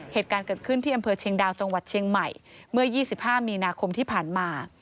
เหตุการณ์เกิดขึ้นที่อำเภอเชียงดาวจังหวัดเชียงใหม่เมื่อ๒๕มีนาคมที่ผ่านมา